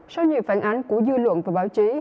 sau nhiều phản ánh của dư luận và báo chí